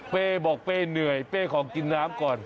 เป้บอกเป้เหนื่อยเป้ขอกินน้ำก่อน